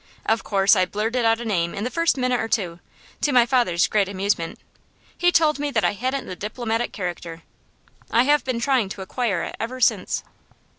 Of course I blurted out a name in the first minute or two, to my father's great amusement. He told me that I hadn't the diplomatic character. I have been trying to acquire it ever since.